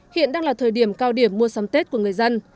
hiện đang là thời điểm cao điểm mua sắm tết của người dân